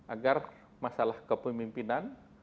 agar masalah kepemimpinan